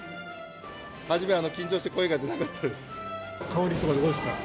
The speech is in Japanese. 初め緊張して声が出なかった香りとかどうですか？